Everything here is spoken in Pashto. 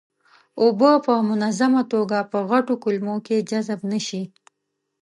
اوبه په منظمه توګه په غټو کولمو کې جذب نشي.